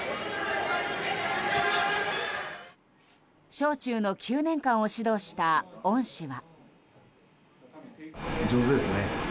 小中の９年間を指導した恩師は。